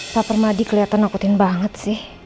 pak permadi kelihatan nakutin banget sih